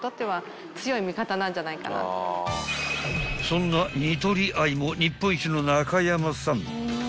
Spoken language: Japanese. ［そんなニトリ愛も日本一の中山さん］